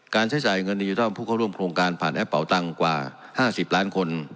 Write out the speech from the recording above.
ใช้จ่ายเงินดิจิทัลผู้เข้าร่วมโครงการผ่านแอปเป่าตังค์กว่า๕๐ล้านคน